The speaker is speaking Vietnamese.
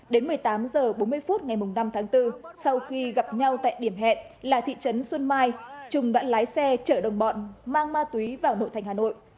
đến một mươi tám h bốn mươi phút ngày năm tháng bốn sau khi gặp nhau tại điểm hẹn là thị trấn xuân mai trung đã lái xe chở đồng bọn mang ma túy vào nội thành hà nội